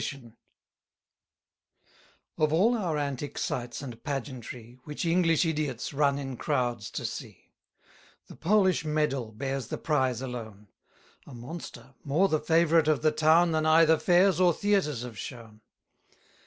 Of all our antic sights and pageantry, Which English idiots run in crowds to see, The Polish Medal bears the prize alone: A monster, more the favourite of the town Than either fairs or theatres have shown.